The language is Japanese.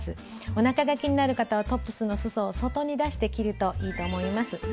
おなかが気になる方はトップスのすそを外に出して着るといいと思います。